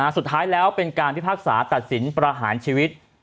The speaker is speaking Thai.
สุดท้ายแล้วเป็นการพิพากษาตัดสินประหารชีวิต